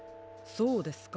そうですか。